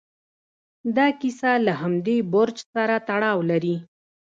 دا کیسه له همدې برج سره تړاو لري.